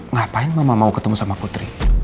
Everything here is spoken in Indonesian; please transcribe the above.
ngapain mama mau ketemu sama putri